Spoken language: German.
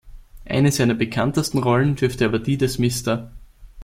Eine seiner bekanntesten Rollen dürfte aber die des Mr.